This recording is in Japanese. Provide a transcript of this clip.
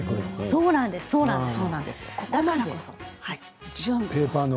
そうなんです。